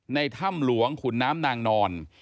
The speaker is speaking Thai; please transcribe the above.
ถ้ำหลวงขุนน้ำนางนอน